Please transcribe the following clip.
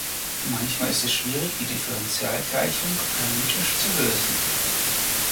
Manchmal ist es schwierig, die Differentialgleichung analytisch zu lösen.